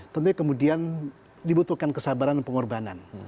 tentunya kemudian dibutuhkan kesabaran dan pengorbanan